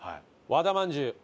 和田まんじゅうです。